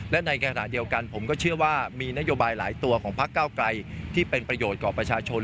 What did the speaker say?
และในขณะเดียวกันผมก็เชื่อว่ามีนโยบายหลายตัวของพักเก้าไกลที่เป็นประโยชน์ต่อประชาชน